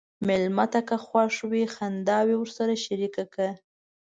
مېلمه ته که خوښ وي، خنداوې ورسره شریکه کړه.